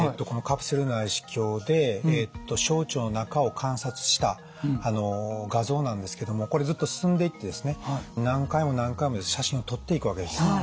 このカプセル内視鏡で小腸の中を観察した画像なんですけどもこれずっと進んでいってですね何回も何回も写真を撮っていくわけです。